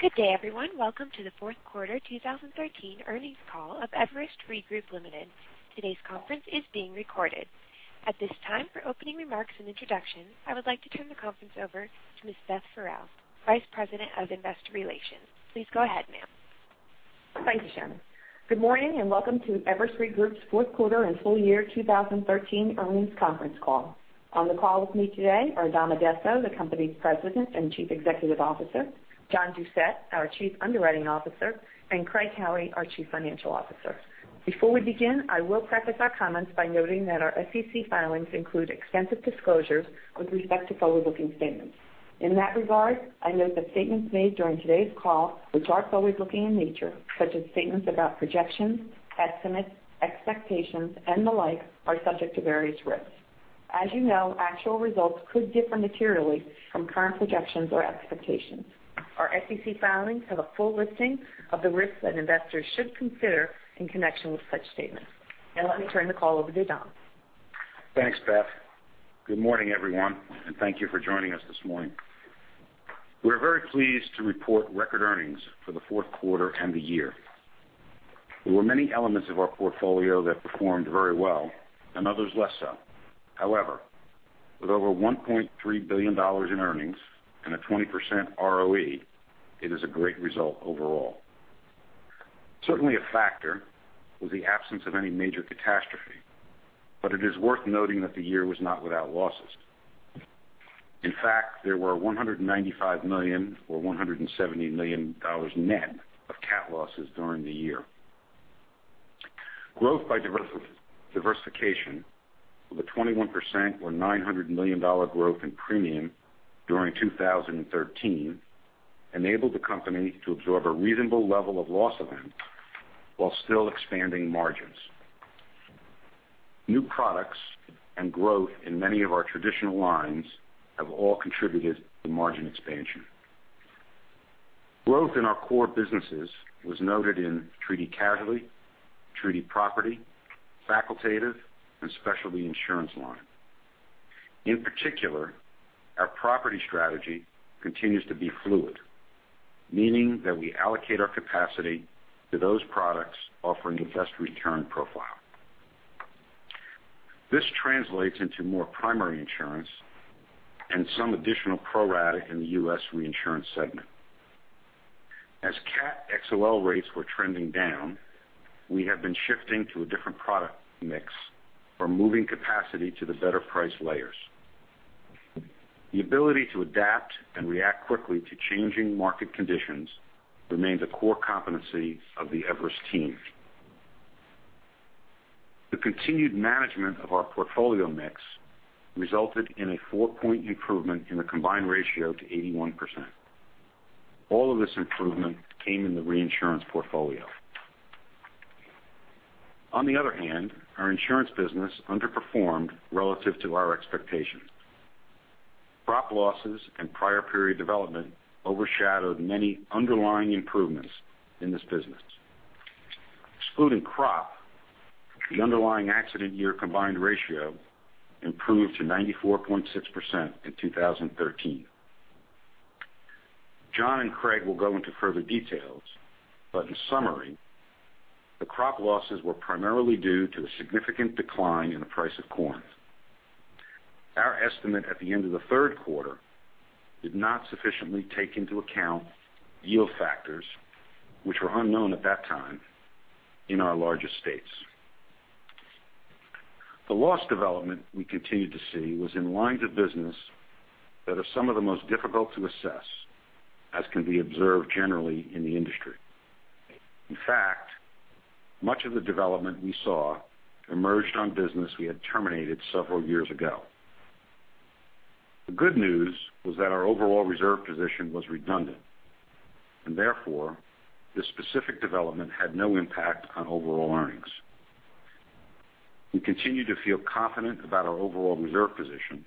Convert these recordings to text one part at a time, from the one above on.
Good day, everyone. Welcome to the fourth quarter 2013 earnings call of Everest Re Group, Ltd. Today's conference is being recorded. At this time, for opening remarks and introduction, I would like to turn the conference over to Ms. Beth Farrell, Vice President of Investor Relations. Please go ahead, ma'am. Thank you, Sharon. Good morning and welcome to Everest Re Group's fourth quarter and full year 2013 earnings conference call. On the call with me today are Dominic Addesso, the company's President and Chief Executive Officer, John Doucette, our Chief Underwriting Officer, and Craig Howie, our Chief Financial Officer. Before we begin, I will preface our comments by noting that our SEC filings include extensive disclosures with respect to forward-looking statements. In that regard, I note that statements made during today's call, which are forward-looking in nature, such as statements about projections, estimates, expectations, and the like, are subject to various risks. As you know, actual results could differ materially from current projections or expectations. Our SEC filings have a full listing of the risks that investors should consider in connection with such statements. Now let me turn the call over to Dom. Thanks, Beth. Good morning, everyone, and thank you for joining us this morning. We are very pleased to report record earnings for the fourth quarter and the year. There were many elements of our portfolio that performed very well and others less so. However, with over $1.3 billion in earnings and a 20% ROE, it is a great result overall. Certainly a factor was the absence of any major catastrophe, but it is worth noting that the year was not without losses. In fact, there were $195 million or $170 million net of cat losses during the year. Growth by diversification, with a 21% or $900 million growth in premium during 2013, enabled the company to absorb a reasonable level of loss events while still expanding margins. New products and growth in many of our traditional lines have all contributed to margin expansion. Growth in our core businesses was noted in treaty casualty, treaty property, facultative, and specialty insurance line. In particular, our property strategy continues to be fluid, meaning that we allocate our capacity to those products offering the best return profile. This translates into more primary insurance and some additional pro rata in the U.S. reinsurance segment. As cat XOL rates were trending down, we have been shifting to a different product mix or moving capacity to the better price layers. The ability to adapt and react quickly to changing market conditions remains a core competency of the Everest team. The continued management of our portfolio mix resulted in a four-point improvement in the combined ratio to 81%. All of this improvement came in the reinsurance portfolio. On the other hand, our insurance business underperformed relative to our expectations. Crop losses and prior period development overshadowed many underlying improvements in this business. Excluding crop, the underlying accident year combined ratio improved to 94.6% in 2013. John and Craig will go into further details. In summary, the crop losses were primarily due to the significant decline in the price of corn. Our estimate at the end of the third quarter did not sufficiently take into account yield factors, which were unknown at that time in our largest states. The loss development we continued to see was in lines of business that are some of the most difficult to assess, as can be observed generally in the industry. In fact, much of the development we saw emerged on business we had terminated several years ago. The good news was that our overall reserve position was redundant. Therefore, this specific development had no impact on overall earnings. We continue to feel confident about our overall reserve position.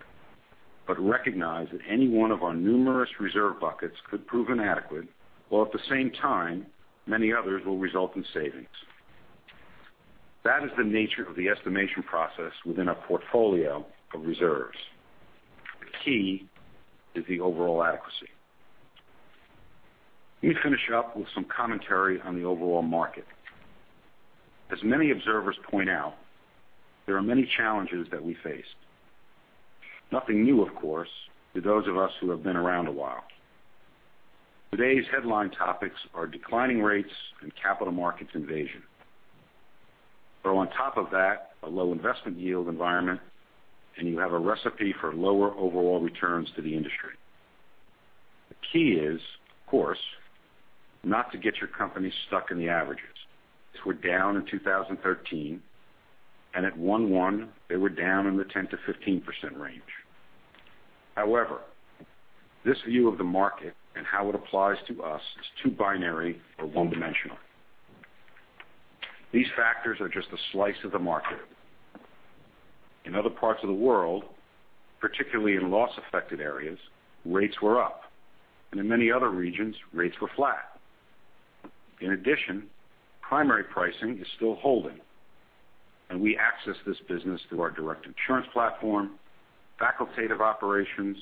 Recognize that any one of our numerous reserve buckets could prove inadequate, while at the same time, many others will result in savings. That is the nature of the estimation process within a portfolio of reserves. The key is the overall adequacy. Let me finish up with some commentary on the overall market. As many observers point out, there are many challenges that we face. Nothing new, of course, to those of us who have been around a while. Today's headline topics are declining rates and capital markets invasion. Throw on top of that a low investment yield environment, and you have a recipe for lower overall returns to the industry. The key is, of course, not to get your company stuck in the averages, which were down in 2013. At one-one, they were down in the 10%-15% range. However, this view of the market and how it applies to us is too binary or one-dimensional. These factors are just a slice of the market. In other parts of the world, particularly in loss-affected areas, rates were up, and in many other regions, rates were flat. In addition, primary pricing is still holding, and we access this business through our direct insurance platform, facultative operations,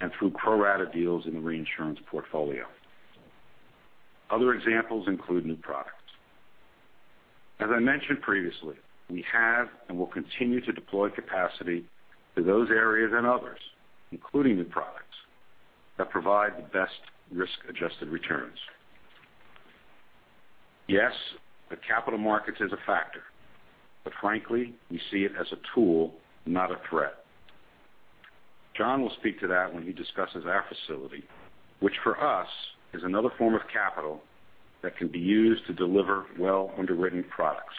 and through pro rata deals in the reinsurance portfolio. Other examples include new products. As I mentioned previously, we have and will continue to deploy capacity to those areas and others, including new products, that provide the best risk-adjusted returns. Yes, the capital markets is a factor. Frankly, we see it as a tool, not a threat. John will speak to that when he discusses our facility, which for us is another form of capital that can be used to deliver well underwritten products.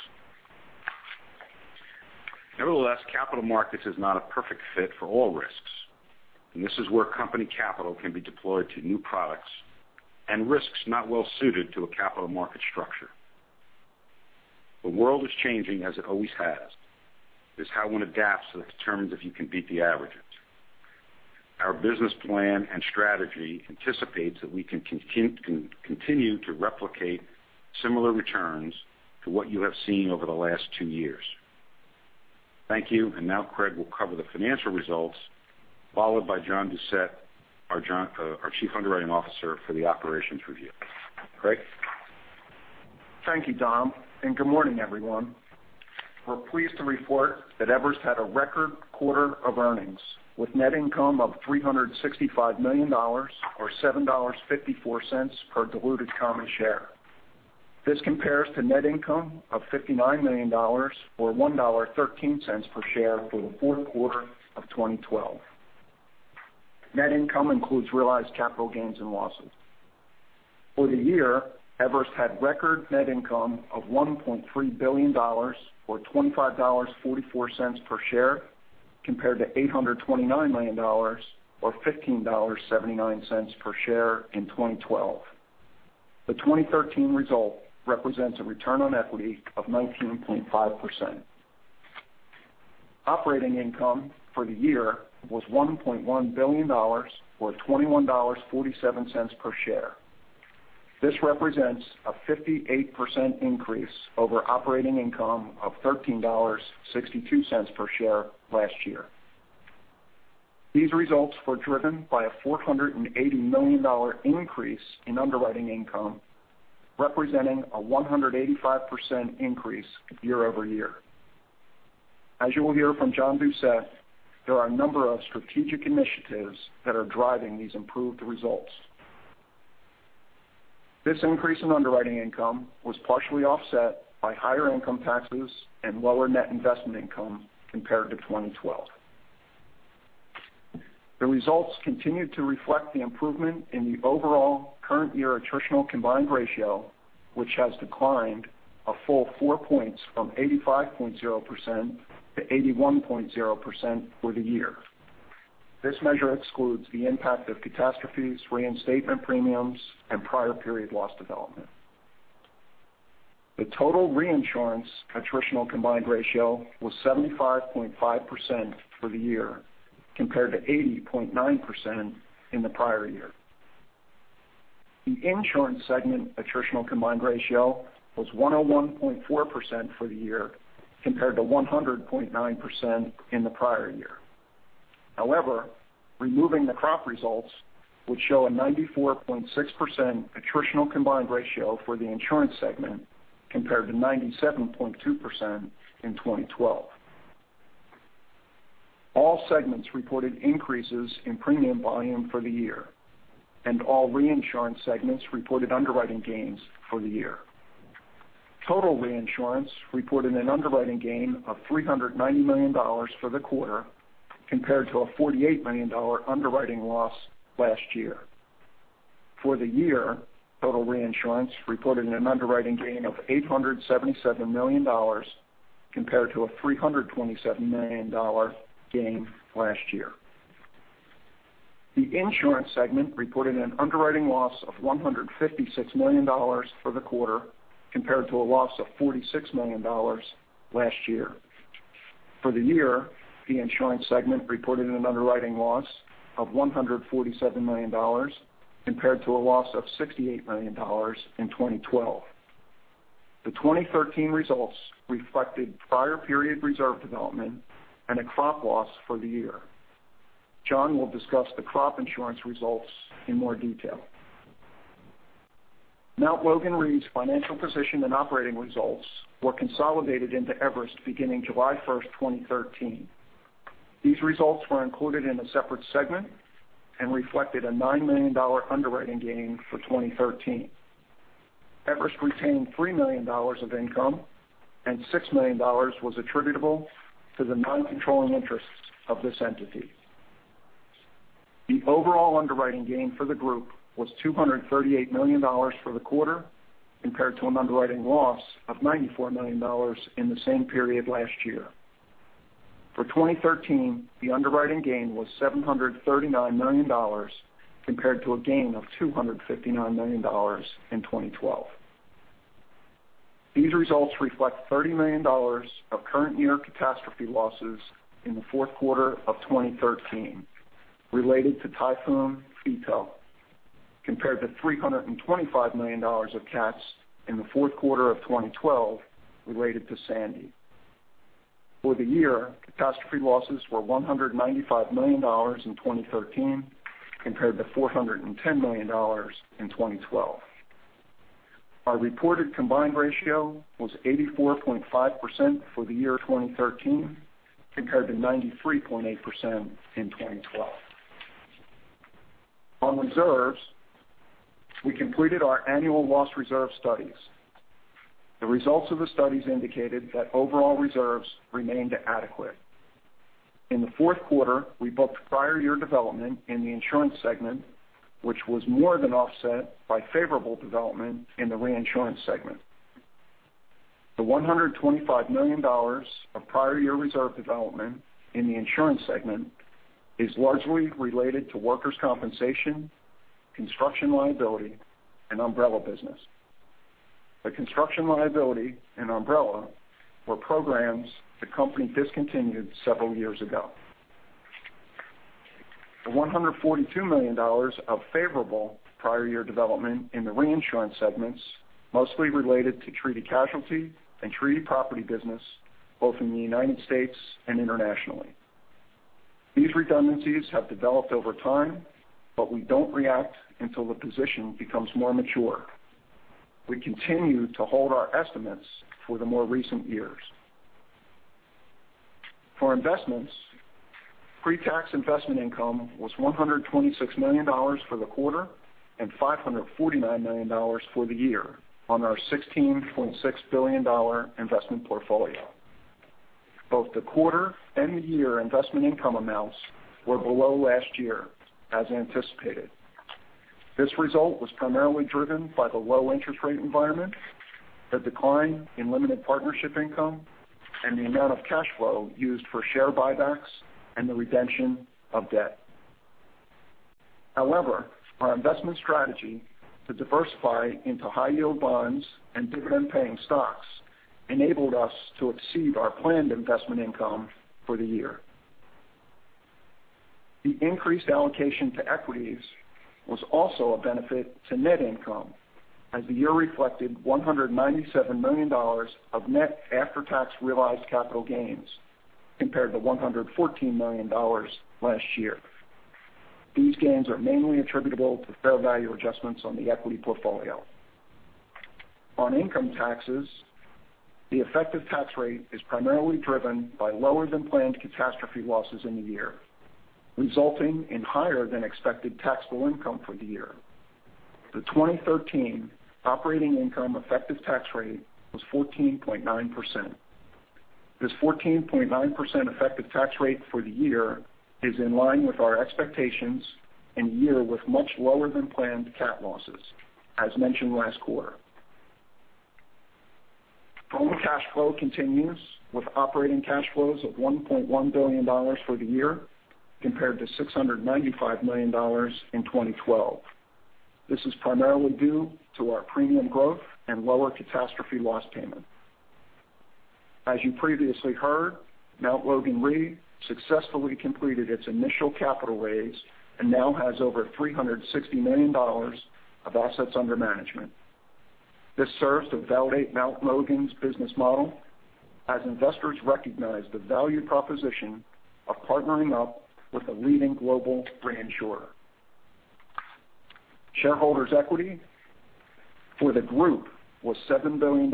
Nevertheless, capital markets is not a perfect fit for all risks. This is where company capital can be deployed to new products and risks not well suited to a capital market structure. The world is changing as it always has. It's how one adapts that determines if you can beat the averages. Our business plan and strategy anticipates that we can continue to replicate similar returns to what you have seen over the last two years. Thank you. Now Craig will cover the financial results followed by John Doucette, our Chief Underwriting Officer for the operations review. Craig? Thank you, Dom, and good morning, everyone. We're pleased to report that Everest had a record quarter of earnings, with net income of $365 million, or $7.54 per diluted common share. This compares to net income of $59 million, or $1.13 per share for the fourth quarter of 2012. Net income includes realized capital gains and losses. For the year, Everest had record net income of $1.3 billion, or $25.44 per share, compared to $829 million, or $15.79 per share in 2012. The 2013 result represents a return on equity of 19.5%. Operating income for the year was $1.1 billion, or $21.47 per share. This represents a 58% increase over operating income of $13.62 per share last year. These results were driven by a $480 million increase in underwriting income, representing a 185% increase year-over-year. As you will hear from John Doucette, there are a number of strategic initiatives that are driving these improved results. This increase in underwriting income was partially offset by higher income taxes and lower net investment income compared to 2012. The results continued to reflect the improvement in the overall current year attritional combined ratio, which has declined a full four points from 85.0% to 81.0% for the year. This measure excludes the impact of catastrophes, reinstatement premiums, and prior period loss development. The total reinsurance attritional combined ratio was 75.5% for the year compared to 80.9% in the prior year. The insurance segment attritional combined ratio was 101.4% for the year compared to 100.9% in the prior year. Removing the crop results would show a 94.6% attritional combined ratio for the insurance segment compared to 97.2% in 2012. All segments reported increases in premium volume for the year, and all reinsurance segments reported underwriting gains for the year. Total reinsurance reported an underwriting gain of $390 million for the quarter compared to a $48 million underwriting loss last year. For the year, total reinsurance reported an underwriting gain of $877 million compared to a $327 million gain last year. The insurance segment reported an underwriting loss of $156 million for the quarter, compared to a loss of $46 million last year. For the year, the insurance segment reported an underwriting loss of $147 million compared to a loss of $68 million in 2012. The 2013 results reflected prior period reserve development and a crop loss for the year. John will discuss the crop insurance results in more detail. Mt. Logan Re's financial position and operating results were consolidated into Everest beginning July 1st, 2013. These results were included in a separate segment and reflected a $9 million underwriting gain for 2013. Everest retained $3 million of income, and $6 million was attributable to the non-controlling interests of this entity. The overall underwriting gain for the group was $238 million for the quarter compared to an underwriting loss of $94 million in the same period last year. For 2013, the underwriting gain was $739 million compared to a gain of $259 million in 2012. These results reflect $30 million of current year catastrophe losses in the fourth quarter of 2013 related to Typhoon Haiyan, compared to $325 million of cats in the fourth quarter of 2012 related to Hurricane Sandy. For the year, catastrophe losses were $195 million in 2013 compared to $410 million in 2012. Our reported combined ratio was 84.5% for the year 2013, compared to 93.8% in 2012. On reserves, we completed our annual loss reserve studies. The results of the studies indicated that overall reserves remained adequate. In the fourth quarter, we booked prior year development in the insurance segment, which was more than offset by favorable development in the reinsurance segment. The $125 million of prior year reserve development in the insurance segment is largely related to workers' compensation, construction liability, and umbrella business. The construction liability and umbrella were programs the company discontinued several years ago. The $142 million of favorable prior year development in the reinsurance segments mostly related to treaty casualty and treaty property business, both in the U.S. and internationally. These redundancies have developed over time, we don't react until the position becomes more mature. We continue to hold our estimates for the more recent years. For investments, pre-tax investment income was $126 million for the quarter and $549 million for the year on our $16.6 billion investment portfolio. Both the quarter and the year investment income amounts were below last year as anticipated. This result was primarily driven by the low interest rate environment, the decline in limited partnership income, and the amount of cash flow used for share buybacks and the redemption of debt. However, our investment strategy to diversify into high yield bonds and dividend-paying stocks enabled us to exceed our planned investment income for the year. The increased allocation to equities was also a benefit to net income, as the year reflected $197 million of net after-tax realized capital gains compared to $114 million last year. These gains are mainly attributable to fair value adjustments on the equity portfolio. On income taxes, the effective tax rate is primarily driven by lower than planned catastrophe losses in the year, resulting in higher than expected taxable income for the year. The 2013 operating income effective tax rate was 14.9%. This 14.9% effective tax rate for the year is in line with our expectations in a year with much lower than planned cat losses, as mentioned last quarter. Total cash flow continues with operating cash flows of $1.1 billion for the year compared to $695 million in 2012. This is primarily due to our premium growth and lower catastrophe loss payment. As you previously heard, Mt. Logan Re successfully completed its initial capital raise and now has over $360 million of assets under management. This serves to validate Mt. Logan's business model as investors recognize the value proposition of partnering up with a leading global reinsurer. Shareholders' equity for the group was $7 billion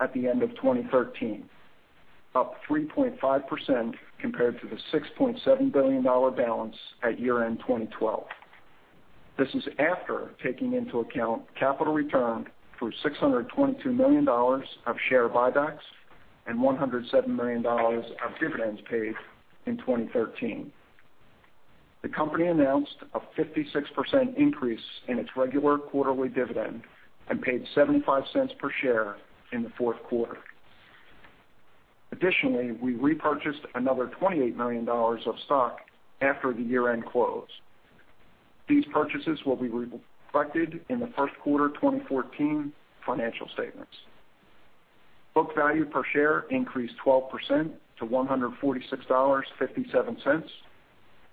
at the end of 2013, up 3.5% compared to the $6.7 billion balance at year-end 2012. This is after taking into account capital return through $622 million of share buybacks and $107 million of dividends paid in 2013. The company announced a 56% increase in its regular quarterly dividend and paid $0.75 per share in the fourth quarter. Additionally, we repurchased another $28 million of stock after the year-end close. These purchases will be reflected in the first quarter 2014 financial statements. Book value per share increased 12% to $146.57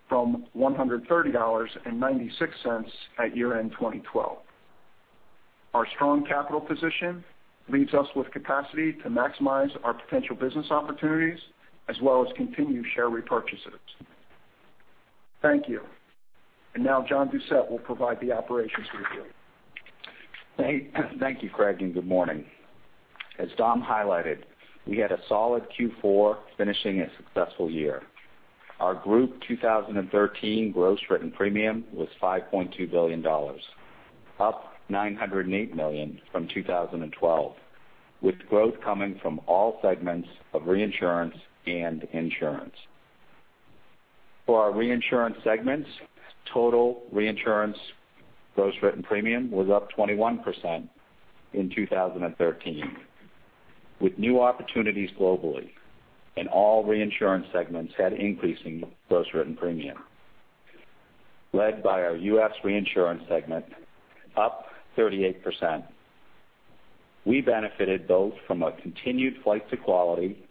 from $130.96 at year-end 2012. Our strong capital position leaves us with capacity to maximize our potential business opportunities as well as continue share repurchases. Thank you. Now John Doucette will provide the operations review. Thank you, Craig, and good morning. As Dom highlighted, we had a solid Q4, finishing a successful year. Our group 2013 gross written premium was $5.2 billion, up $908 million from 2012, with growth coming from all segments of reinsurance and insurance. For our reinsurance segments, total reinsurance gross written premium was up 21% in 2013, with new opportunities globally, and all reinsurance segments had increasing gross written premium. Led by our U.S. reinsurance segment, up 38%. We benefited both from a continued flight to quality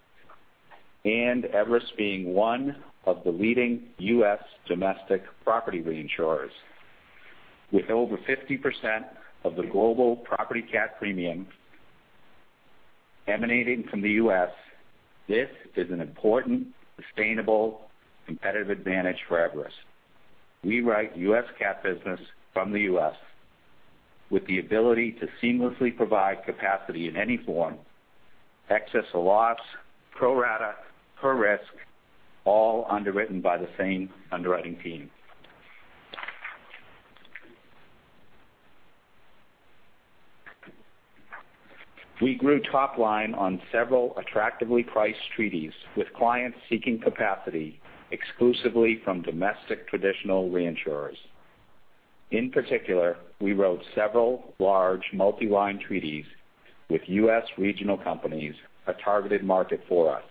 and Everest being one of the leading U.S. domestic property reinsurers. With over 50% of the global property cat premium emanating from the U.S., this is an important, sustainable competitive advantage for Everest. We write U.S. cat business from the U.S. with the ability to seamlessly provide capacity in any form, excess loss, pro rata, per risk, all underwritten by the same underwriting team. We grew top line on several attractively priced treaties with clients seeking capacity exclusively from domestic traditional reinsurers. In particular, we wrote several large multi-line treaties with U.S. regional companies, a targeted market for us.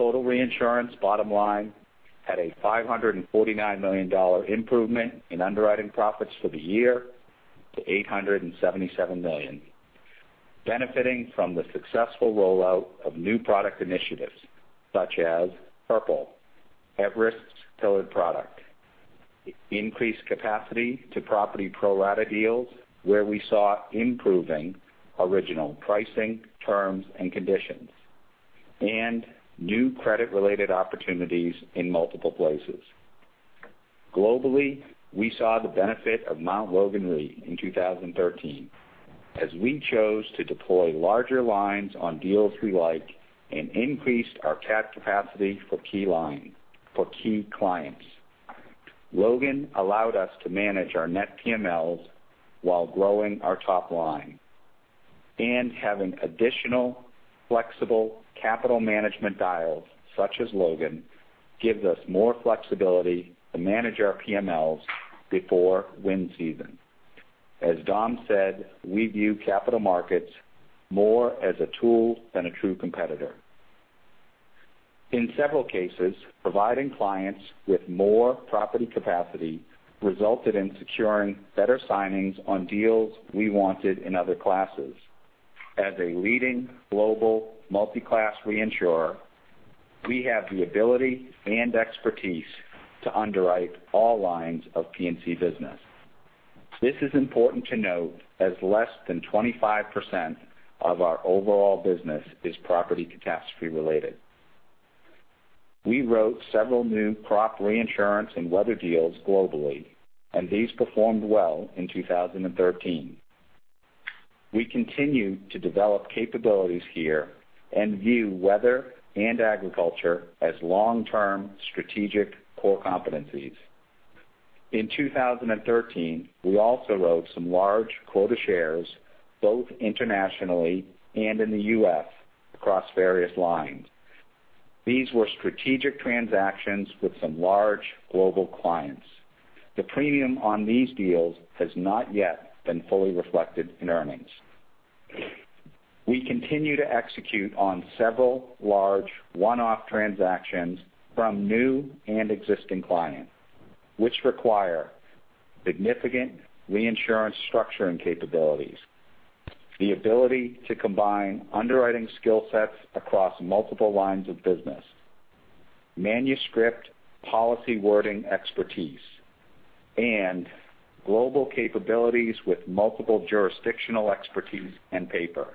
Total reinsurance bottom line had a $549 million improvement in underwriting profits for the year to $877 million, benefiting from the successful rollout of new product initiatives such as Purple, Everest's pillar product, increased capacity to property pro rata deals, where we saw improving original pricing terms and conditions, and new credit-related opportunities in multiple places. Globally, we saw the benefit of Mt. Logan Re in 2013, as we chose to deploy larger lines on deals we like and increased our cat capacity for key clients. Logan allowed us to manage our net PMLs while growing our top line and having additional flexible capital management dials, such as Logan, gives us more flexibility to manage our PMLs before wind season. As Dom said, we view capital markets more as a tool than a true competitor. In several cases, providing clients with more property capacity resulted in securing better signings on deals we wanted in other classes. As a leading global multi-class reinsurer, we have the ability and expertise to underwrite all lines of P&C business. This is important to note as less than 25% of our overall business is property catastrophe related. We wrote several new crop reinsurance and weather deals globally, and these performed well in 2013. We continue to develop capabilities here and view weather and agriculture as long-term strategic core competencies. In 2013, we also wrote some large quota shares, both internationally and in the U.S. across various lines. These were strategic transactions with some large global clients. The premium on these deals has not yet been fully reflected in earnings. We continue to execute on several large one-off transactions from new and existing clients, which require significant reinsurance structuring capabilities, the ability to combine underwriting skill sets across multiple lines of business, manuscript policy wording expertise, and global capabilities with multiple jurisdictional expertise and paper.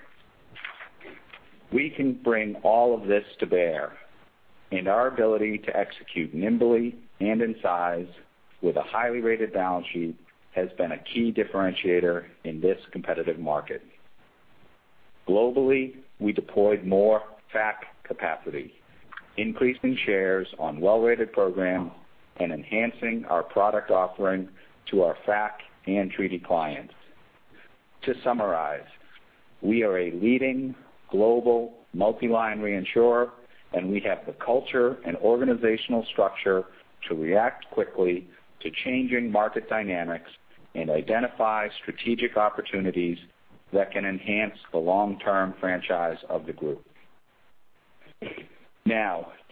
We can bring all of this to bear, and our ability to execute nimbly and in size with a highly rated balance sheet has been a key differentiator in this competitive market. Globally, we deployed more FAC capacity, increasing shares on well-rated programs and enhancing our product offering to our FAC and treaty clients. To summarize, we are a leading global multi-line reinsurer, and we have the culture and organizational structure to react quickly to changing market dynamics and identify strategic opportunities that can enhance the long-term franchise of the group.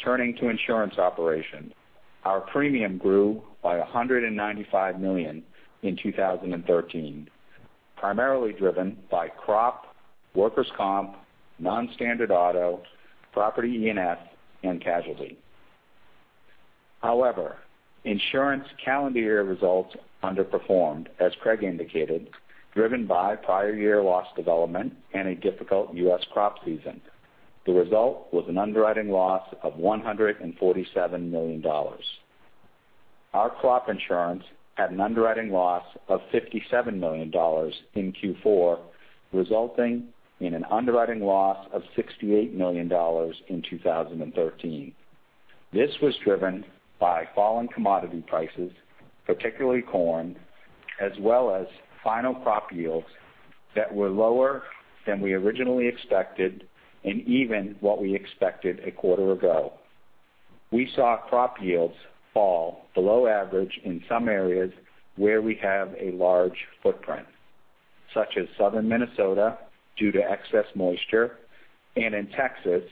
Turning to insurance operation. Our premium grew by $195 million in 2013, primarily driven by crop, workers' comp, non-standard auto, property E&S, and casualty. Insurance calendar year results underperformed, as Craig indicated, driven by prior year loss development and a difficult U.S. crop season. The result was an underwriting loss of $147 million. Our crop insurance had an underwriting loss of $57 million in Q4, resulting in an underwriting loss of $68 million in 2013. This was driven by falling commodity prices, particularly corn, as well as final crop yields that were lower than we originally expected and even what we expected a quarter ago. We saw crop yields fall below average in some areas where we have a large footprint. Such as Southern Minnesota, due to excess moisture, and in Texas,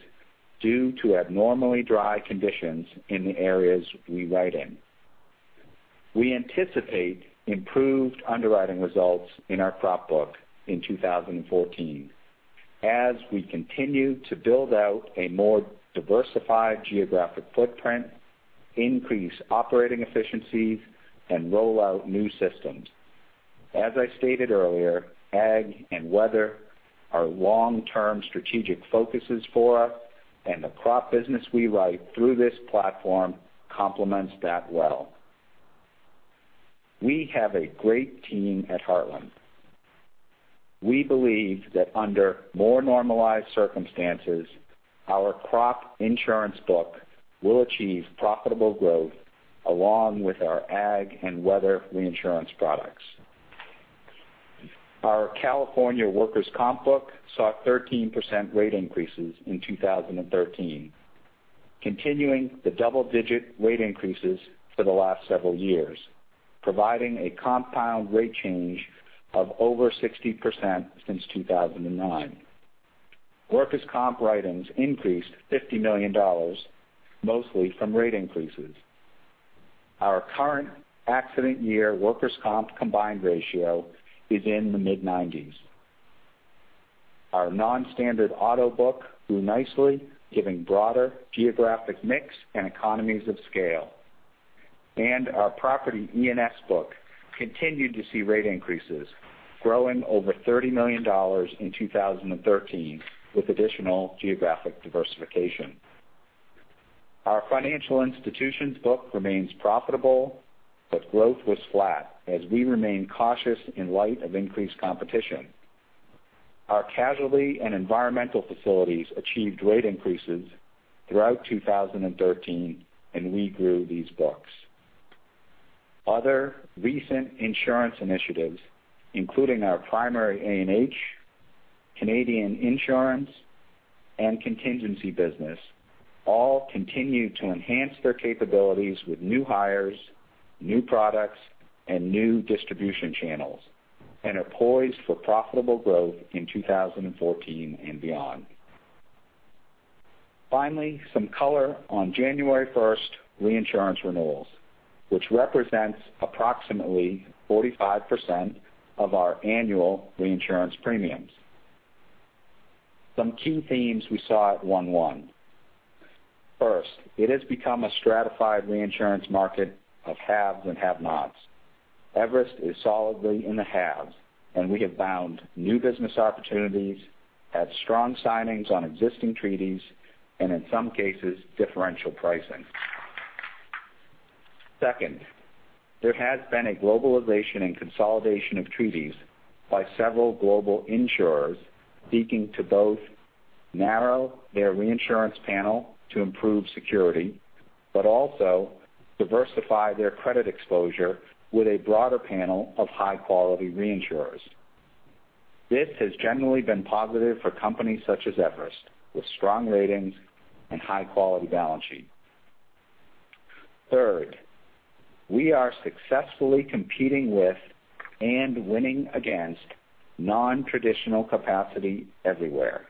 due to abnormally dry conditions in the areas we write in. We anticipate improved underwriting results in our crop book in 2014 as we continue to build out a more diversified geographic footprint, increase operating efficiencies, and roll out new systems. As I stated earlier, ag and weather are long-term strategic focuses for us, and the crop business we write through this platform complements that well. We have a great team at Heartland. We believe that under more normalized circumstances, our crop insurance book will achieve profitable growth along with our ag and weather reinsurance products. Our California workers' comp book saw 13% rate increases in 2013, continuing the double-digit rate increases for the last several years, providing a compound rate change of over 60% since 2009. Workers' comp writings increased $50 million, mostly from rate increases. Our current accident year workers' comp combined ratio is in the mid-90s. Our non-standard auto book grew nicely, giving broader geographic mix and economies of scale. Our property E&S book continued to see rate increases, growing over $30 million in 2013, with additional geographic diversification. Our financial institutions book remains profitable, but growth was flat as we remain cautious in light of increased competition. Our casualty and environmental facilities achieved rate increases throughout 2013, and we grew these books. Other recent insurance initiatives, including our primary A&H, Canadian insurance, and contingency business, all continue to enhance their capabilities with new hires, new products, new distribution channels and are poised for profitable growth in 2014 and beyond. Finally, some color on January 1st reinsurance renewals, which represents approximately 45% of our annual reinsurance premiums. Some key themes we saw at 1/1. First, it has become a stratified reinsurance market of haves and have-nots. Everest is solidly in the haves, and we have found new business opportunities, had strong signings on existing treaties, and in some cases, differential pricing. Second, there has been a globalization and consolidation of treaties by several global insurers seeking to both narrow their reinsurance panel to improve security, but also diversify their credit exposure with a broader panel of high-quality reinsurers. This has generally been positive for companies such as Everest, with strong ratings and high-quality balance sheet. Third, we are successfully competing with and winning against non-traditional capacity everywhere.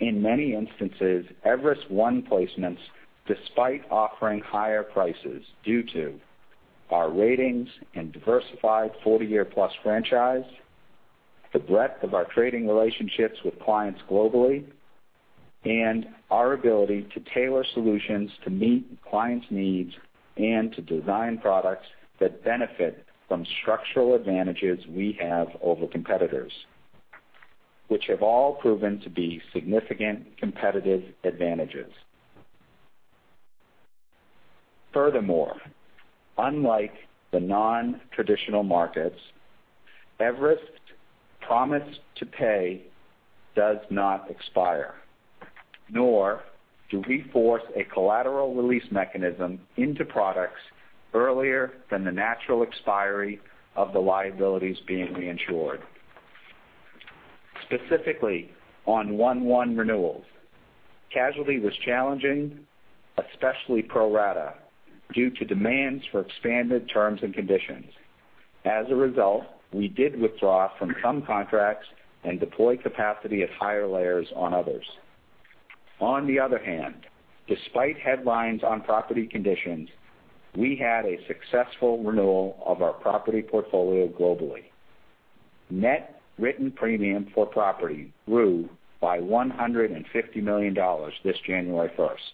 In many instances, Everest won placements despite offering higher prices due to our ratings and diversified 40-year-plus franchise, the breadth of our trading relationships with clients globally, and our ability to tailor solutions to meet clients' needs and to design products that benefit from structural advantages we have over competitors, which have all proven to be significant competitive advantages. Furthermore, unlike the non-traditional markets, Everest's promise to pay does not expire, nor do we force a collateral release mechanism into products earlier than the natural expiry of the liabilities being reinsured. Specifically, on 1/1 renewals, casualty was challenging, especially pro rata, due to demands for expanded terms and conditions. As a result, we did withdraw from some contracts and deployed capacity at higher layers on others. On the other hand, despite headlines on property conditions, we had a successful renewal of our property portfolio globally. Net written premium for property grew by $150 million this January 1st.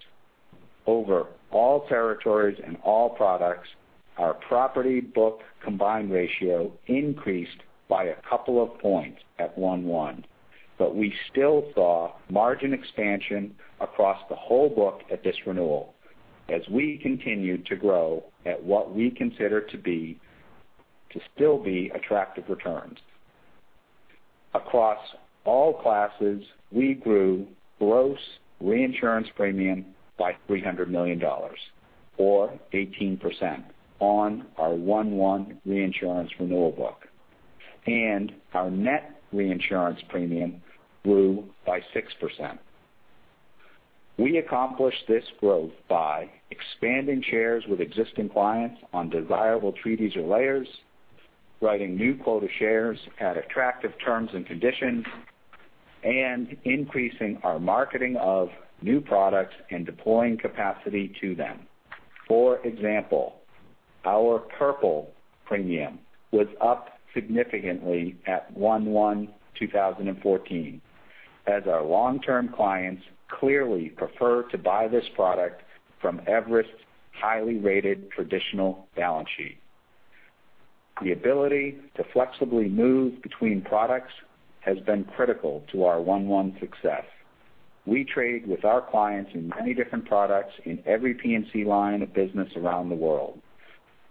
Overall territories and all products, our property book combined ratio increased by a couple of points at 1/1, but we still saw margin expansion across the whole book at this renewal as we continued to grow at what we consider to still be attractive returns. Across all classes, we grew gross reinsurance premium by $300 million, or 18%, on our 1/1 reinsurance renewal book, and our net reinsurance premium grew by 6%. We accomplished this growth by expanding shares with existing clients on desirable treaties or layers, writing new quota shares at attractive terms and conditions, and increasing our marketing of new products and deploying capacity to them. For example, our Purple premium was up significantly at 1/1/2014, as our long-term clients clearly prefer to buy this product from Everest's highly rated traditional balance sheet. The ability to flexibly move between products has been critical to our 1/1 success. We trade with our clients in many different products in every P&C line of business around the world.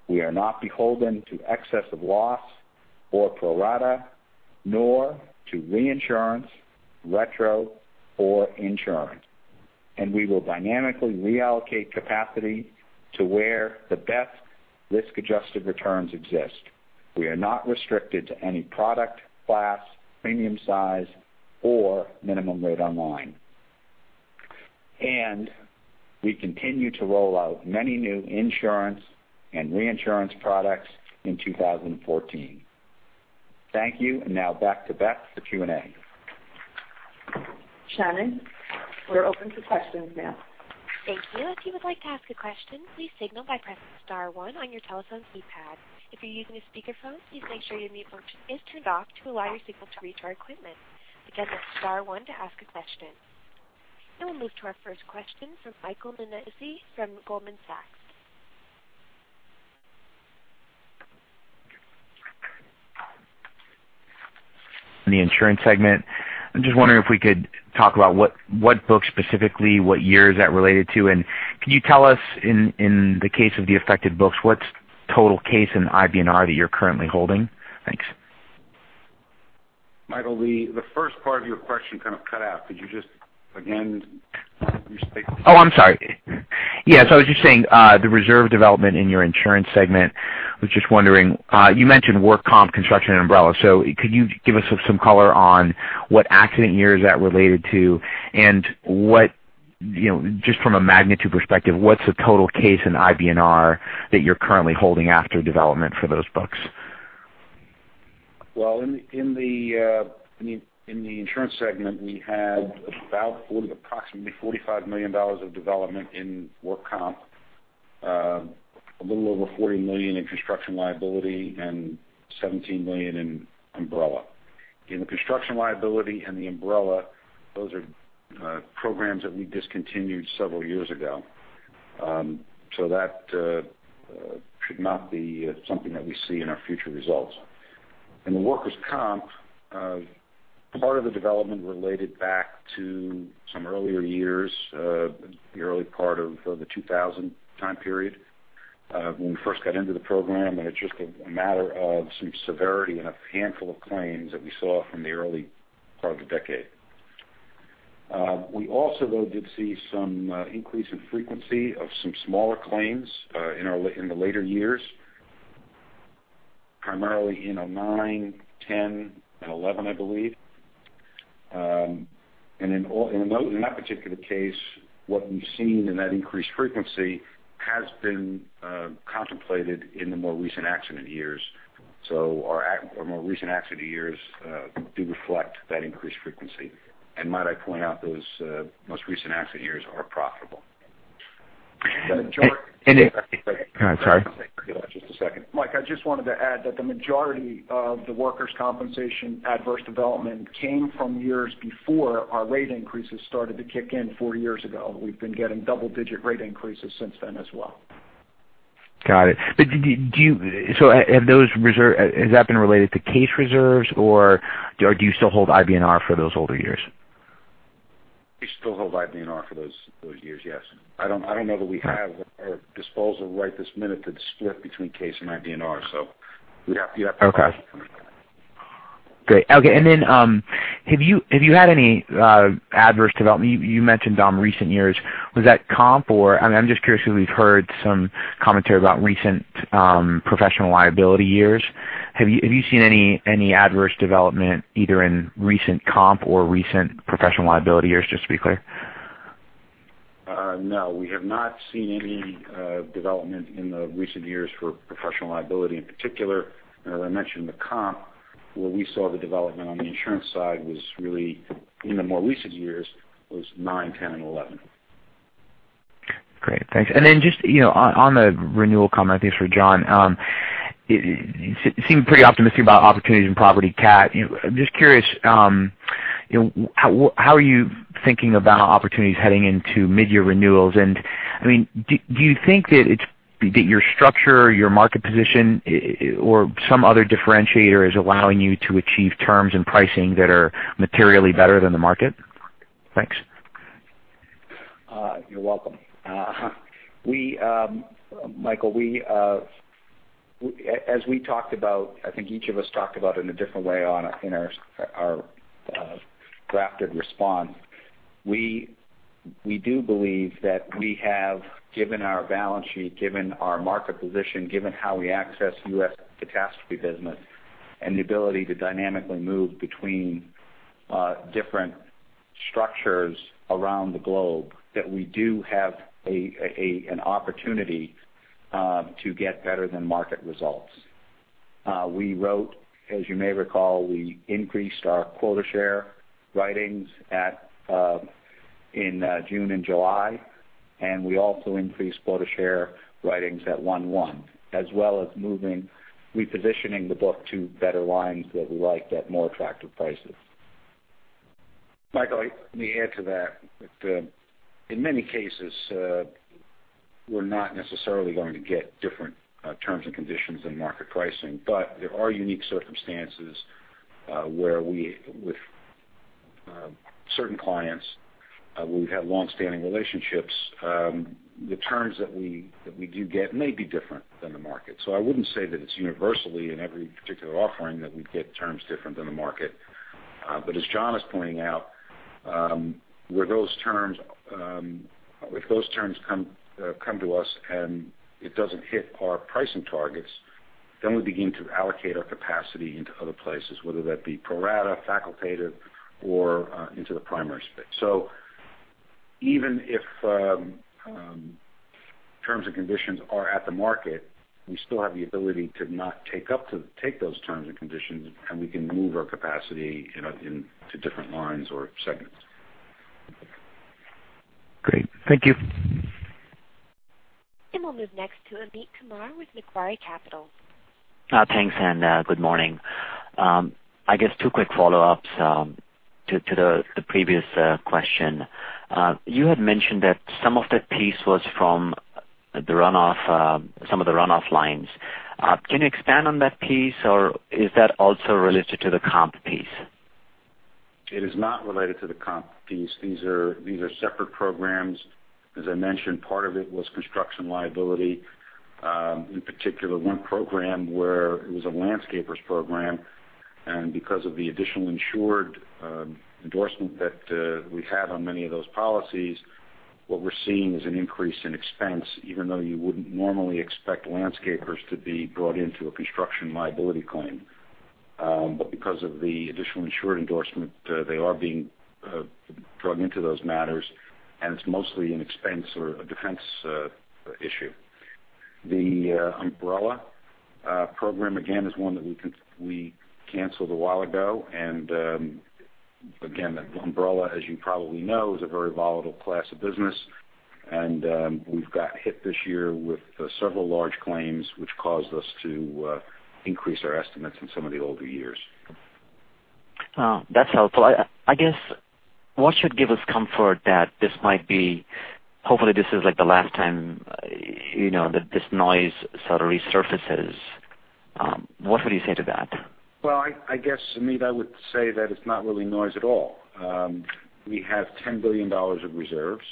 We are not beholden to excess of loss or pro rata, nor to reinsurance, retro or insurance, and we will dynamically reallocate capacity to where the best risk-adjusted returns exist. We are not restricted to any product class, premium size, or minimum rate on line. We continue to roll out many new insurance and reinsurance products in 2014. Thank you. Now back to Beth for Q&A. Shannon, we're open for questions now. Thank you. If you would like to ask a question, please signal by pressing star one on your telephone keypad. If you're using a speakerphone, please make sure your mute function is turned off to allow your signal to reach our equipment. Again, that's star one to ask a question. We'll move to our first question from Michael Nannizzi from Goldman Sachs. In the insurance segment, I'm just wondering if we could talk about what books specifically, what years that related to, and can you tell us in the case of the affected books, what's total case in IBNR that you're currently holding? Thanks. Michael, the first part of your question kind of cut out. Could you just, again, restate? Oh, I'm sorry. Yes, I was just saying the reserve development in your insurance segment, was just wondering, you mentioned work comp, construction, and umbrella. Could you give us some color on what accident year is that related to, and just from a magnitude perspective, what's the total case in IBNR that you're currently holding after development for those books? Well, in the insurance segment, we had approximately $45 million of development in work comp, a little over $40 million in construction liability and $17 million in umbrella. In the construction liability and the umbrella, those are programs that we discontinued several years ago. That should not be something that we see in our future results. In the workers' comp, part of the development related back to some earlier years, the early part of the 2000 time period, when we first got into the program, and it's just a matter of some severity in a handful of claims that we saw from the early part of the decade. We also, though, did see some increase in frequency of some smaller claims in the later years, primarily in 2009, 2010, and 2011, I believe. In that particular case, what we've seen in that increased frequency has been contemplated in the more recent accident years. Our more recent accident years do reflect that increased frequency. Might I point out those most recent accident years are profitable. And- Just a second. Mike, I just wanted to add that the majority of the workers' compensation adverse development came from years before our rate increases started to kick in four years ago. We've been getting double digit rate increases since then as well. Got it. Has that been related to case reserves, or do you still hold IBNR for those older years? We still hold IBNR for those years, yes. I don't know that we have at our disposal right this minute the split between case and IBNR. Okay Talk to corporate. Great. Okay. Have you had any adverse development? You mentioned recent years, was that comp or, I'm just curious because we've heard some commentary about recent professional liability years. Have you seen any adverse development either in recent comp or recent professional liability years, just to be clear? No, we have not seen any development in the recent years for professional liability in particular. As I mentioned, the comp, where we saw the development on the insurance side was really in the more recent years, was 2009, 2010, and 2011. Great. Thanks. Just on the renewal comment, I think it's for John. You seem pretty optimistic about opportunities in property cat. Just curious, how are you thinking about opportunities heading into mid-year renewals? Do you think that your structure, your market position, or some other differentiator is allowing you to achieve terms and pricing that are materially better than the market? Thanks. You're welcome. Michael, as we talked about, I think each of us talked about in a different way in our drafted response, we do believe that we have, given our balance sheet, given our market position, given how we access U.S. catastrophe business and the ability to dynamically move between different structures around the globe, that we do have an opportunity to get better than market results. We wrote, as you may recall, we increased our quota share writings in June and July, and we also increased quota share writings at 1/1, as well as moving, repositioning the book to better lines that we like at more attractive prices. Michael, let me add to that. In many cases, we're not necessarily going to get different terms and conditions than market pricing. There are unique circumstances where with certain clients, we've had longstanding relationships, the terms that we do get may be different than the market. I wouldn't say that it's universally in every particular offering that we'd get terms different than the market. As John is pointing out, if those terms come to us and it doesn't hit our pricing targets, then we begin to allocate our capacity into other places, whether that be pro rata, facultative, or into the primary space. Even if terms and conditions are at the market, we still have the ability to not take those terms and conditions, and we can move our capacity into different lines or segments. Great. Thank you. We'll move next to Amit Kumar with Macquarie Capital. Thanks. Good morning. I guess two quick follow-ups to the previous question. You had mentioned that some of the piece was from some of the runoff lines. Can you expand on that piece, or is that also related to the comp piece? It is not related to the comp piece. These are separate programs. As I mentioned, part of it was construction liability, in particular, one program where it was a landscapers program. Because of the additional insured endorsement that we have on many of those policies, what we're seeing is an increase in expense, even though you wouldn't normally expect landscapers to be brought into a construction liability claim. Because of the additional insured endorsement, they are being drawn into those matters, and it's mostly an expense or a defense issue. The umbrella program, again, is one that we canceled a while ago. Again, that umbrella, as you probably know, is a very volatile class of business. We've got hit this year with several large claims, which caused us to increase our estimates in some of the older years. That's helpful. I guess what should give us comfort that hopefully this is the last time that this noise sort of resurfaces. What would you say to that? Well, I guess, Amit, I would say that it's not really noise at all. We have $10 billion of reserves.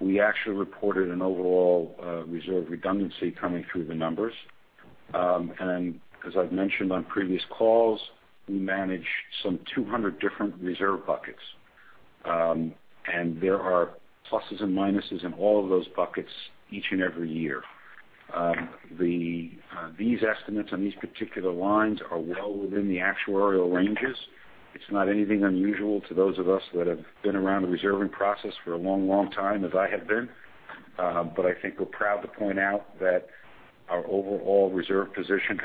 We actually reported an overall reserve redundancy coming through the numbers. As I've mentioned on previous calls, we manage some 200 different reserve buckets, and there are pluses and minuses in all of those buckets each and every year. These estimates on these particular lines are well within the actuarial ranges. It's not anything unusual to those of us that have been around the reserving process for a long time, as I have been. I think we're proud to point out that our overall reserve position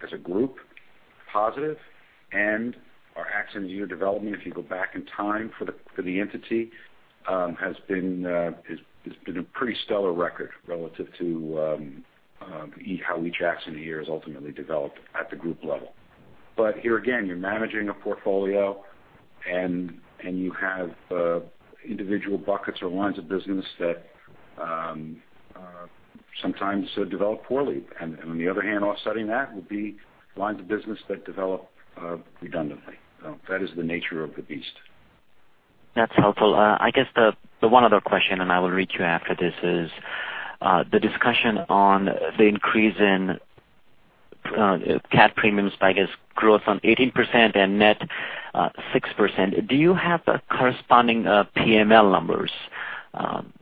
as a group, positive, and our accident year development, if you go back in time for the entity, has been a pretty stellar record relative to how each accident year has ultimately developed at the group level. Here again, you're managing a portfolio, and you have individual buckets or lines of business that sometimes develop poorly. On the other hand, offsetting that would be lines of business that develop redundantly. That is the nature of the beast. That's helpful. I guess the one other question, and I will reach you after this is, the discussion on the increase in cat premiums, I guess growth on 18% and net 6%, do you have corresponding PML numbers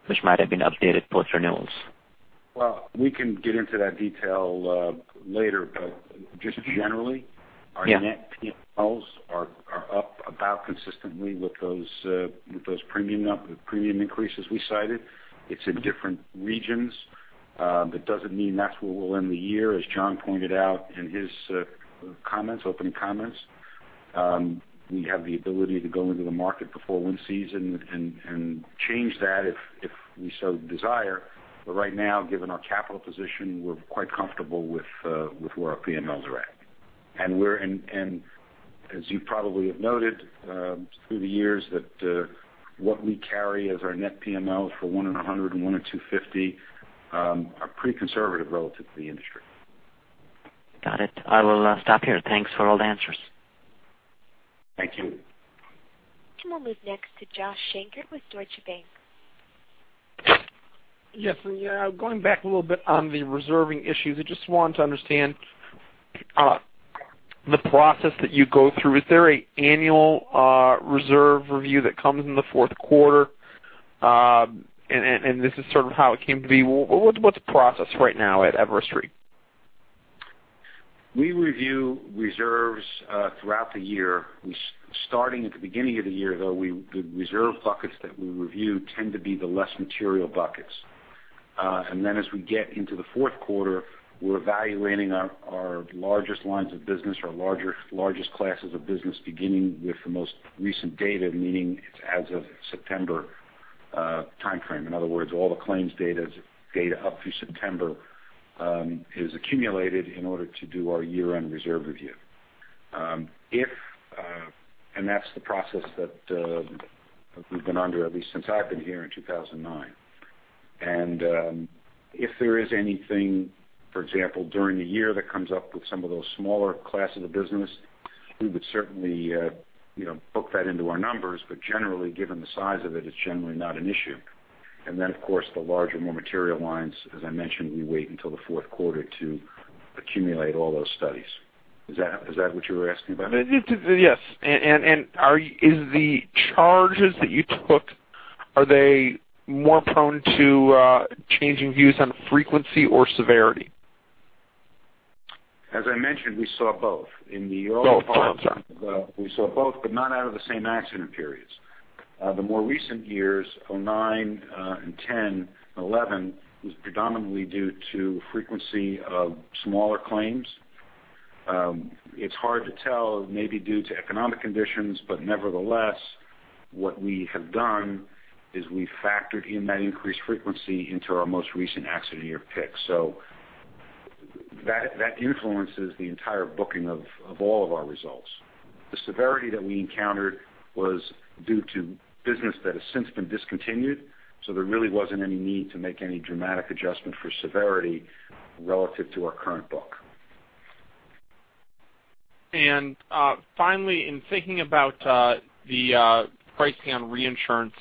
which might have been updated post-renewals? Well, we can get into that detail later, just generally- Yeah our net PMLs are up about consistently with those premium increases we cited. It's in different regions. That doesn't mean that's where we'll end the year. As John pointed out in his opening comments, we have the ability to go into the market before wind season and change that if we so desire. Right now, given our capital position, we're quite comfortable with where our PMLs are at. As you probably have noted through the years, that what we carry as our net PMLs for 1 in 100 and 1 in 250 are pretty conservative relative to the industry. Got it. I will stop here. Thanks for all the answers. Thank you. We'll move next to Josh Shanker with Deutsche Bank. Yes. Going back a little bit on the reserving issues, I just want to understand the process that you go through. Is there an annual reserve review that comes in the fourth quarter? This is sort of how it came to be. What's the process right now at Everest Re? We review reserves throughout the year. Starting at the beginning of the year, though, the reserve buckets that we review tend to be the less material buckets. As we get into the fourth quarter, we're evaluating our largest lines of business, our largest classes of business, beginning with the most recent data, meaning it's as of September timeframe. In other words, all the claims data up through September is accumulated in order to do our year-end reserve review. That's the process that we've been under at least since I've been here in 2009. If there is anything, for example, during the year that comes up with some of those smaller classes of business, we would certainly book that into our numbers. Generally, given the size of it's generally not an issue. Of course, the larger, more material lines, as I mentioned, we wait until the fourth quarter to accumulate all those studies. Is that what you were asking about? Yes. Is the charges that you took, are they more prone to changing views on frequency or severity? As I mentioned, we saw both. Both. We saw both, not out of the same accident periods. The more recent years, 2009, and 2010, and 2011, was predominantly due to frequency of smaller claims. It's hard to tell, maybe due to economic conditions, nevertheless, what we have done is we factored in that increased frequency into our most recent accident year pick. That influences the entire booking of all of our results. The severity that we encountered was due to business that has since been discontinued, there really wasn't any need to make any dramatic adjustment for severity relative to our current book. Finally, in thinking about the pricing on reinsurance,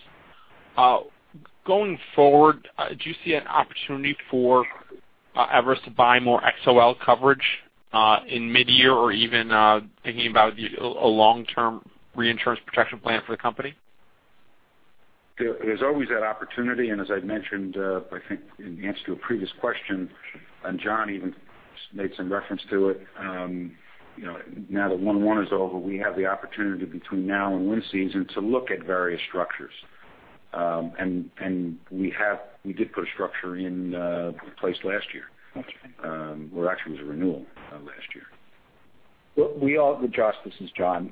going forward, do you see an opportunity for Everest to buy more XOL coverage in mid-year or even thinking about a long-term reinsurance protection plan for the company? There's always that opportunity, as I mentioned, I think in the answer to a previous question, and John even made some reference to it. Now that one is over, we have the opportunity between now and wind season to look at various structures. We did put a structure in place last year. Okay. Actually, it was a renewal last year. Josh, this is John.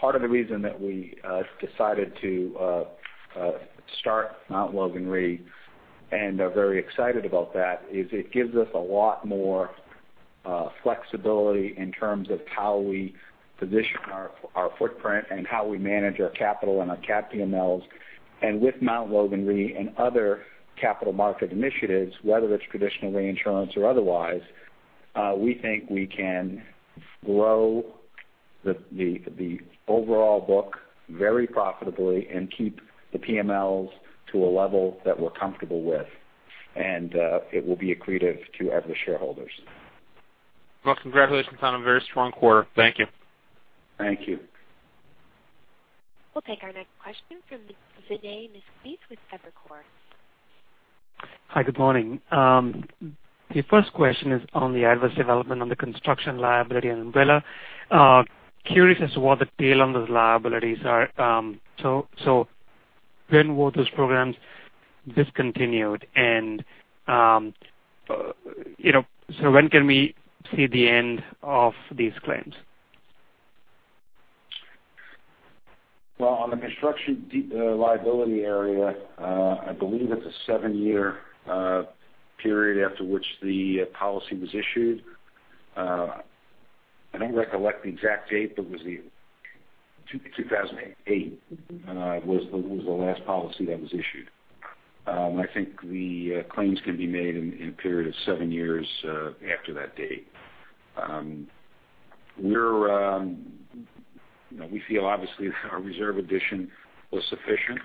Part of the reason that we decided to start Mt. Logan Re and are very excited about that is it gives us a lot more flexibility in terms of how we position our footprint and how we manage our capital and our cat PMLs. With Mt. Logan Re and other capital market initiatives, whether it's traditional reinsurance or otherwise, we think we can grow the overall book very profitably and keep the PMLs to a level that we're comfortable with. It will be accretive to average shareholders. Well, congratulations on a very strong quarter. Thank you. Thank you. We'll take our next question from Vinay Misquith with Evercore. Hi, good morning. The first question is on the adverse development on the construction liability and umbrella. Curious as to what the tail on those liabilities are. When were those programs discontinued, when can we see the end of these claims? Well, on the construction liability area, I believe it's a seven-year period after which the policy was issued. I don't recollect the exact date, it was 2008 was the last policy that was issued. I think the claims can be made in a period of seven years after that date. We feel obviously our reserve addition was sufficient,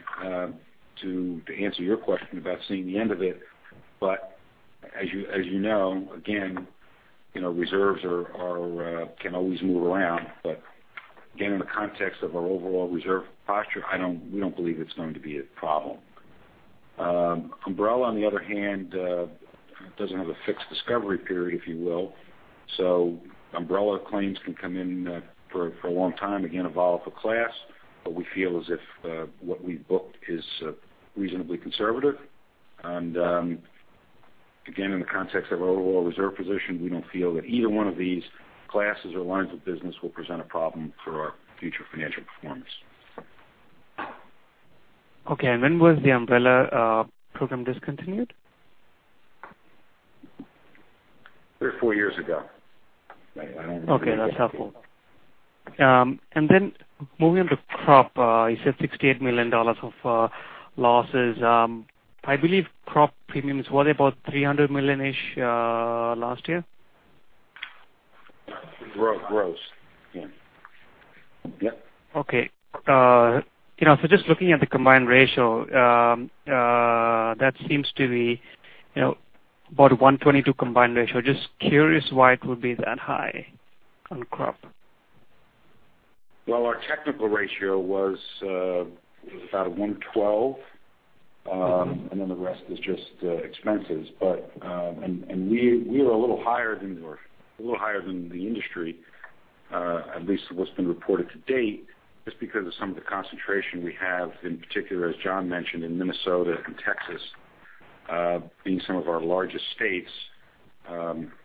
to answer your question about seeing the end of it. As you know, again, reserves can always move around. Again, in the context of our overall reserve posture, we don't believe it's going to be a problem. Umbrella, on the other hand, doesn't have a fixed discovery period, if you will. Umbrella claims can come in for a long time, again, for that class, we feel as if what we've booked is reasonably conservative. Again, in the context of our overall reserve position, we don't feel that either one of these classes or lines of business will present a problem for our future financial performance. Okay, when was the umbrella program discontinued? Three or four years ago. Okay, that's helpful. Then moving on to crop, you said $68 million of losses. I believe crop premium is worth about $300 million-ish last year? Gross. Yeah. Okay. Just looking at the combined ratio, that seems to be about 122 combined ratio. Just curious why it would be that high on crop. Our technical ratio was about 112, and then the rest is just expenses. We were a little higher than the industry, at least what's been reported to date, just because of some of the concentration we have, in particular, as John mentioned, in Minnesota and Texas being some of our largest states,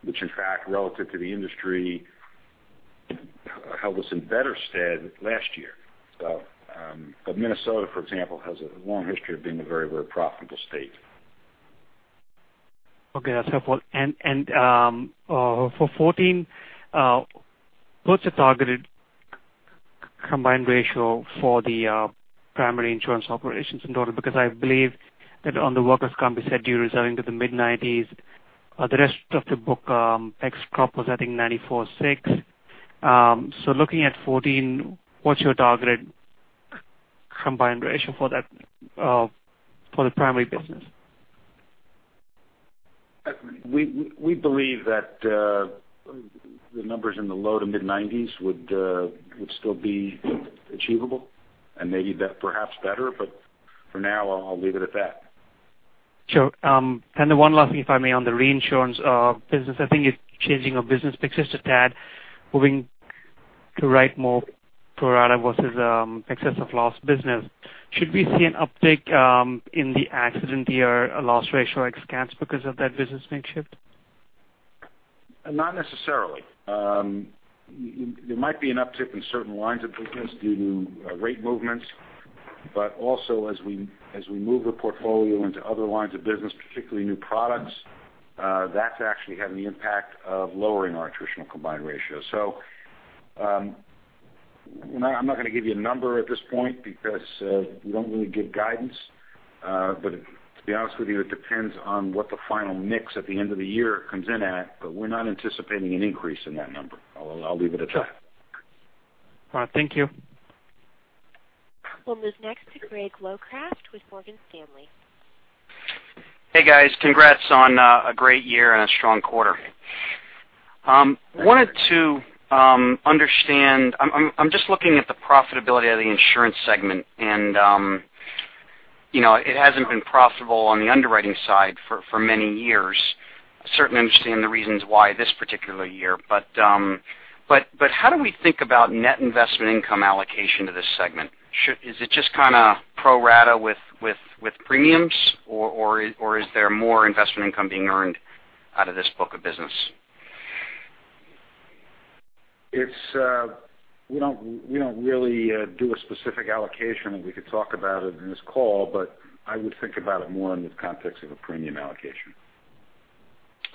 which in fact, relative to the industry, held us in better stead last year. Minnesota, for example, has a long history of being a very, very profitable state. Okay, that's helpful. For 2014, what's the targeted combined ratio for the primary insurance operations in total? I believe that on the workers' comp you said you're reserving to the mid-90s. The rest of the book ex-crop was, I think, 94.6. Looking at 2014, what's your targeted combined ratio for the primary business? We believe that the numbers in the low to mid-90s would still be achievable and maybe perhaps better. For now, I'll leave it at that. One last thing, if I may, on the reinsurance business. I think it's changing your business mix just a tad, moving to write more pro rata versus excess of loss business. Should we see an uptick in the accident year loss ratio ex cats because of that business mix shift? Not necessarily. There might be an uptick in certain lines of business due to rate movements, but also as we move the portfolio into other lines of business, particularly new products, that's actually having the impact of lowering our attritional combined ratio. I'm not going to give you a number at this point because we don't really give guidance. To be honest with you, it depends on what the final mix at the end of the year comes in at. We're not anticipating an increase in that number. I'll leave it at that. All right. Thank you. We'll move next to Greg Locraft with Morgan Stanley. Hey, guys. Congrats on a great year and a strong quarter. Wanted to understand, I'm just looking at the profitability of the insurance segment, and it hasn't been profitable on the underwriting side for many years. I certainly understand the reasons why this particular year, but how do we think about net investment income allocation to this segment? Is it just kind of pro rata with premiums, or is there more investment income being earned out of this book of business? We don't really do a specific allocation, and we could talk about it in this call, but I would think about it more in the context of a premium allocation.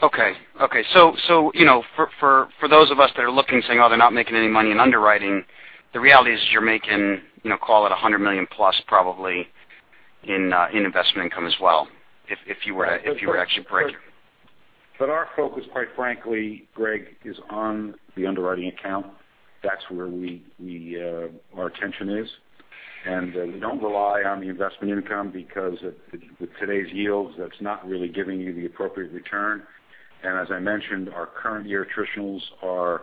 Okay. For those of us that are looking saying, oh, they're not making any money in underwriting, the reality is you're making, call it $100 million plus probably in investment income as well, if you were to actually break it. Our focus, quite frankly, Greg, is on the underwriting account. That's where our attention is, and we don't rely on the investment income because with today's yields, that's not really giving you the appropriate return. As I mentioned, our current year attritionals are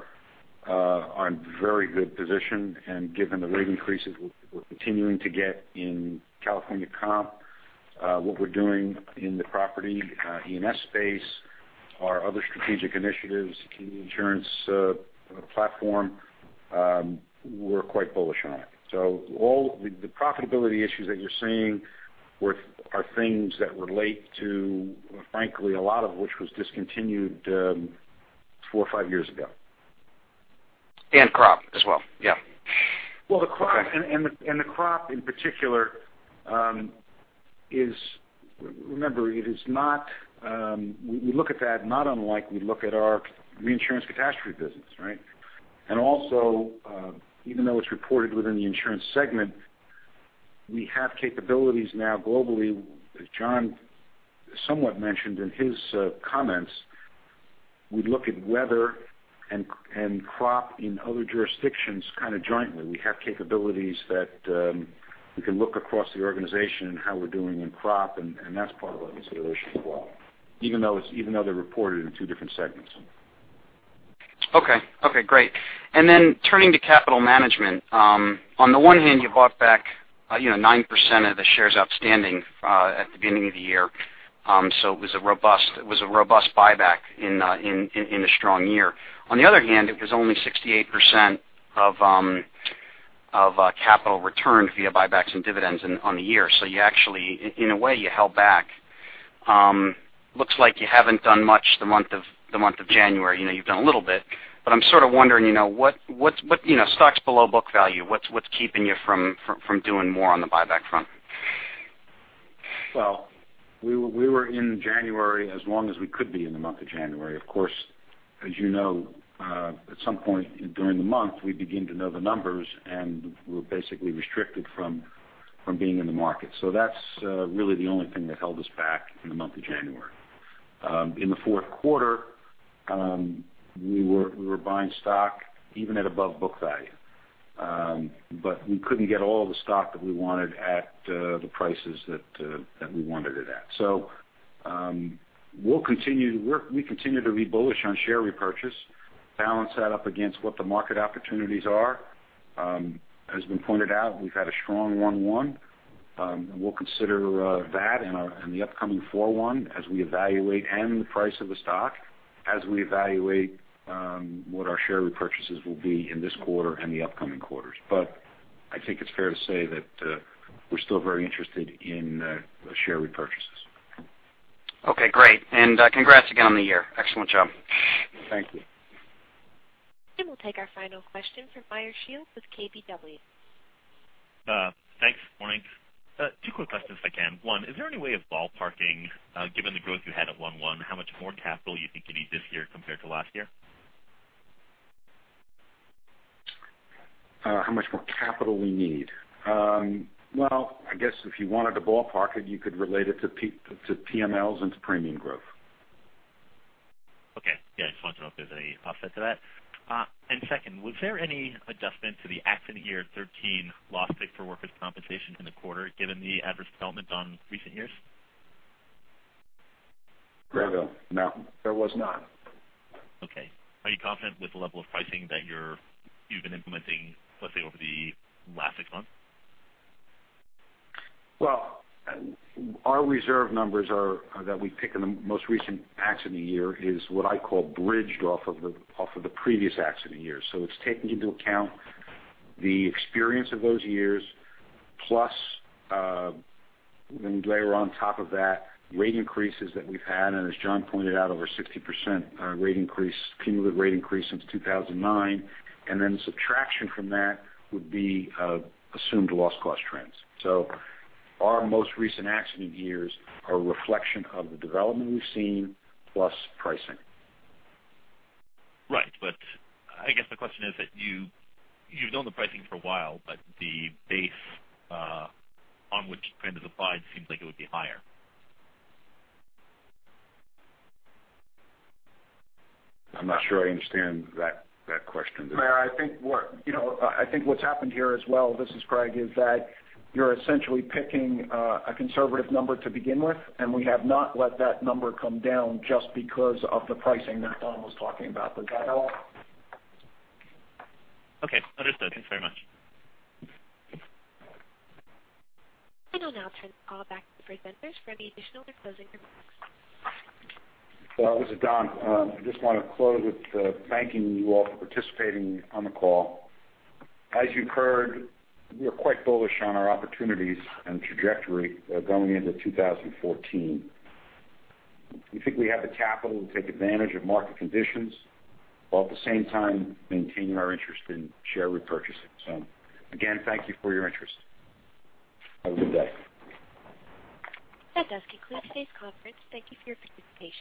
on very good position. Given the rate increases we're continuing to get in California comp, what we're doing in the property E&S space, our other strategic initiatives, insurance platform, we're quite bullish on it. The profitability issues that you're seeing are things that relate to, frankly, a lot of which was discontinued four or five years ago. Crop as well. Yeah. Well, the crop in particular. Remember, we look at that not unlike we look at our reinsurance catastrophe business, right? Also, even though it's reported within the insurance segment, we have capabilities now globally, as John somewhat mentioned in his comments. We look at weather and crop in other jurisdictions kind of jointly. We have capabilities that we can look across the organization and how we're doing in crop, and that's part of our consideration as well, even though they're reported in two different segments. Okay. Great. Then turning to capital management. On the one hand, you bought back 9% of the shares outstanding at the beginning of the year. It was a robust buyback in a strong year. On the other hand, it was only 68% of capital returned via buybacks and dividends on the year. You actually, in a way, you held back. Looks like you haven't done much the month of January. You've done a little bit, but I'm sort of wondering, stock's below book value. What's keeping you from doing more on the buyback front? Well, we were in January as long as we could be in the month of January. Of course, as you know, at some point during the month, we begin to know the numbers, and we're basically restricted from being in the market. That's really the only thing that held us back in the month of January. In the fourth quarter, we were buying stock even at above book value. We couldn't get all the stock that we wanted at the prices that we wanted it at. We continue to be bullish on share repurchase, balance that up against what the market opportunities are. As has been pointed out, we've had a strong one one. We'll consider that in the upcoming four one as we evaluate, and the price of the stock, as we evaluate what our share repurchases will be in this quarter and the upcoming quarters. I think it's fair to say that we're still very interested in share repurchases. Okay, great. Congrats again on the year. Excellent job. Thank you. We'll take our final question from Meyer Shields with KBW. Thanks. Morning. Two quick questions if I can. One, is there any way of ballparking, given the growth you had at one one, how much more capital you think you need this year compared to last year? How much more capital we need? Well, I guess if you wanted to ballpark it, you could relate it to PMLs and to premium growth. Okay. Yeah, just wondering if there's any offset to that. Second, was there any adjustment to the accident year 2013 loss pick for workers' compensation in the quarter, given the adverse development on recent years? Meyer, no, there was not. Okay. Are you confident with the level of pricing that you've been implementing, let's say over the last six months? Well, our reserve numbers that we pick in the most recent accident year is what I call bridged off of the previous accident year. It's taking into account the experience of those years plus, then layer on top of that, rate increases that we've had, and as John pointed out, over 60% cumulative rate increase since 2009. The subtraction from that would be assumed loss cost trends. Our most recent accident years are a reflection of the development we've seen, plus pricing. Right. I guess the question is that you've known the pricing for a while, but the base on which it kind of applied seems like it would be higher. I'm not sure I understand that question. Meyer, I think what's happened here as well, this is Craig, is that you're essentially picking a conservative number to begin with. We have not let that number come down just because of the pricing that Dom was talking about. Does that help? Okay, understood. Thanks very much. I will now turn the call back to the presenters for any additional or closing remarks. This is Dom. I just want to close with thanking you all for participating on the call. As you've heard, we are quite bullish on our opportunities and trajectory going into 2014. We think we have the capital to take advantage of market conditions, while at the same time maintaining our interest in share repurchasing. Again, thank you for your interest. Have a good day. That does conclude today's conference. Thank you for your participation.